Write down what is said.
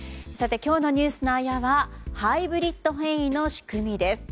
今日のニュースのあやはハイブリッド変異の仕組みです。